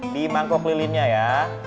di mangkok lilinnya ya